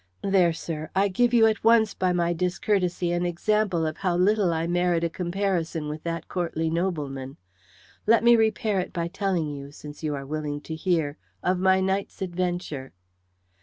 "There, sir, I give you at once by my discourtesy an example of how little I merit a comparison with that courtly nobleman. Let me repair it by telling you, since you are willing to hear, of my night's adventure."